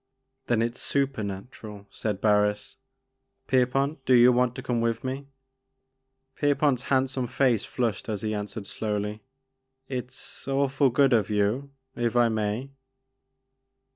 " Then it 's supernatural," said Barris ;" Pier pont, do you want to come with me ?" Pierpont' s handsome face flushed as he an swered slowly, "It's awfully good of you, — if I may."